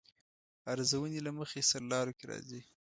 ارزونې له مخې سرلارو کې راځي.